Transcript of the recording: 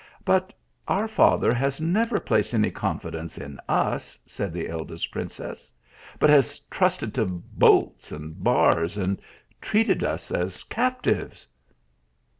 " But our father has never placed any confidence in us," said the eldest princess ;" but has trusted to bolts and bars, and treated us as captives."